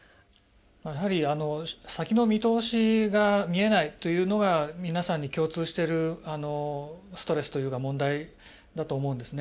やはり先の見通しが見えないというのが皆さんに共通してるストレスというか問題だと思うんですね。